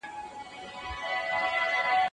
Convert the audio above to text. پوهه بې پایه بحر دی.